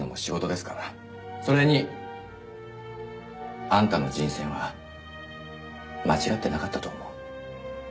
それにあんたの人選は間違ってなかったと思う。